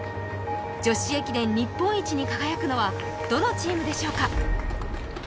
女子駅伝日本一に輝くのはどのチームでしょうか。